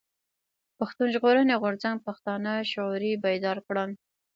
پښتون ژغورني غورځنګ پښتانه شعوري بيدار کړل.